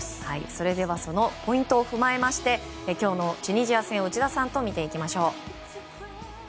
それではそのポイントを踏まえまして今日のチュニジア戦を内田さんと見ていきましょう。